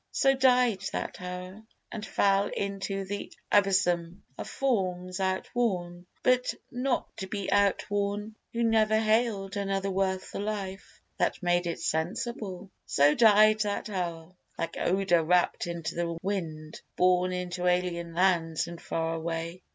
So died that hour, and fell into the abysm Of forms outworn, but not to be outworn, Who never hail'd another worth the Life That made it sensible. So died that hour, Like odour wrapt into the winged wind Borne into alien lands and far away.